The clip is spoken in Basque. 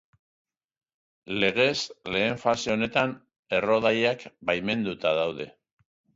Legez, lehen fase honetan errodaiak baimenduta daude.